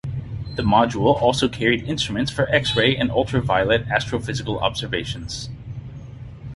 The module also carried instruments for X-ray and ultraviolet astrophysical observations.